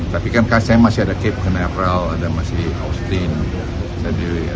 tapi kan saya masih ada cape canaveral ada masih austin sedulia